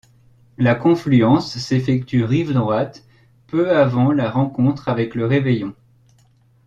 La confluence s'effectue rive droite peu avant la rencontre avec le Réveillon.